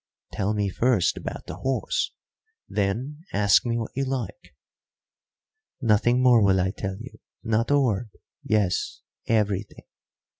"Tell me first about the horse, then ask me what you like." "Nothing more will I tell you not a word. Yes, everything.